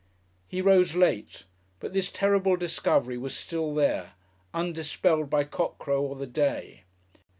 He rose late, but this terrible discovery was still there, undispelled by cockcrow or the day.